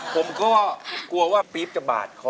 ผมก็กลัวว่าปี๊บจะบาดคอ